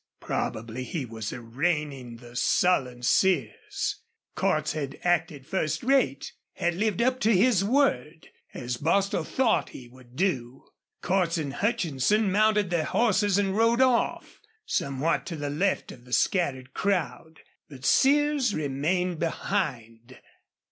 Probably he was arraigning the sullen Sears. Cordts had acted first rate had lived up to his word, as Bostil thought he would do. Cordts and Hutchinson mounted their horses and rode off, somewhat to the left of the scattered crowd. But Sears remained behind.